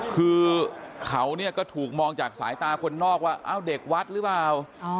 คือเขาก็ถูกมองจากสายตาคนนอกว่าอ้าวเด็กวัดหรือเปล่า